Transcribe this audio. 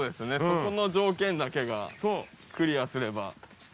そこの条件だけがクリアすれば。